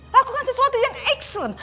lakukan sesuatu yang excellent